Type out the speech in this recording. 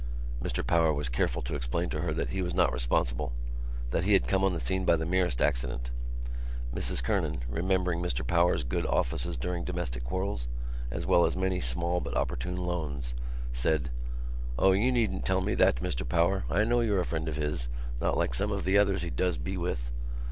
Mr Power was careful to explain to her that he was not responsible, that he had come on the scene by the merest accident. Mrs Kernan, remembering Mr Power's good offices during domestic quarrels, as well as many small, but opportune loans, said: "O, you needn't tell me that, Mr Power. I know you're a friend of his, not like some of the others he does be with.